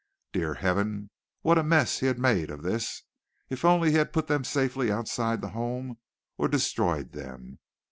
Dear Heaven! What a mess he had made of this! If only he had put them safely outside the home or destroyed them.